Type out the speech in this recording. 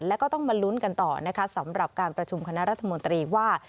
แล้วก็ต้องมาลุ้นกันต่อนะคะสำหรับการประชุมคณะรัฐมนตรีว่า